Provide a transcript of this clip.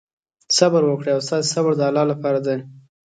صبر وکړئ او ستاسې صبر د الله لپاره دی.